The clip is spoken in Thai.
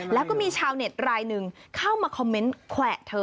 แล้วก็มีชาวเน็ตรายหนึ่งเข้ามาคอมเมนต์แขวะเธอ